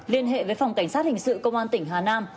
liên hệ với phòng cảnh sát hình sự công an tỉnh hà nam